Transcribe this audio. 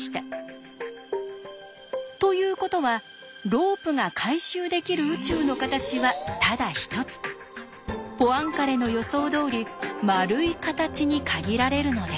ということはロープが回収できる宇宙の形はただ一つポアンカレの予想どおり丸い形に限られるのです。